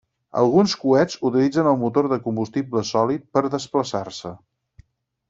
Alguns coets utilitzen el motor de combustible sòlid per desplaçar-se.